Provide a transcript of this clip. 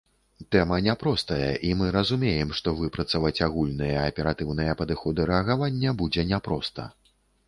Тэма няпростая, і мы разумеем, што выпрацаваць агульныя аператыўныя падыходы рэагавання будзе няпроста.